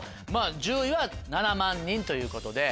１０位は７万人ということで。